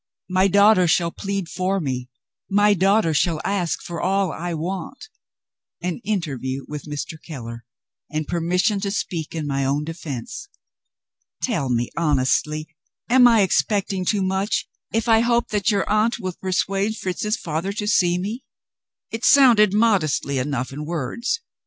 My daughter shall plead for me; my daughter shall ask for all I want an interview with Mr. Keller, and permission to speak in my own defense. Tell me, honestly, am I expecting too much, if I hope that your aunt will persuade Fritz's father to see me?" It sounded modestly enough in words.